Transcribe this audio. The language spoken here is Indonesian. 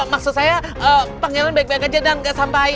maksud saya pangeran baik baik aja dan nggak sampai